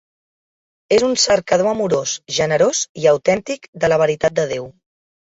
És un cercador amorós, generós i autèntic de la veritat de Déu.